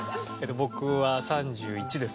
僕は３１です。